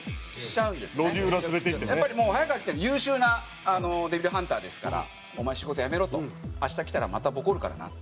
やっぱりもう早川アキって優秀なデビルハンターですから「お前仕事やめろ」と。「明日来たらまたボコるからな」。